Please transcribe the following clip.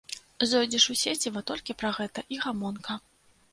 Зойдзеш у сеціва, толькі пра гэта і гамонка.